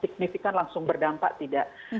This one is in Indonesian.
signifikan langsung berdampak tidak